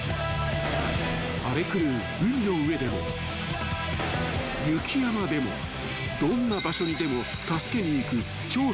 ［荒れ狂う海の上でも雪山でもどんな場所にでも助けに行く超精鋭隊員］